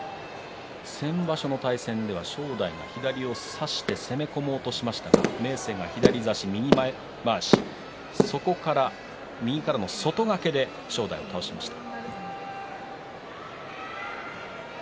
先場所の対戦では正代が左を差して攻め込もうとしましたが明生が左差し右前まわしそこから右からの外掛けで正代を倒しました。